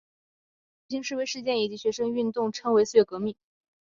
这一系列的游行示威事件及学生运动称为四月革命。